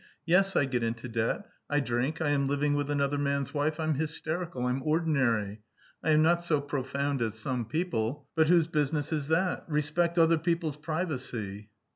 Yes, I get into debt, I drink, I am living with another man's wife, I'm hysterical, I'm ordinary. I am not so profound as some people, but whose business is that? Respect other people's privacy."